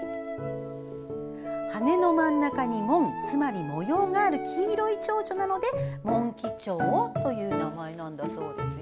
羽の真ん中に、紋つまり模様がある黄色いチョウチョなのでモンキチョウという名前なんだそうですよ。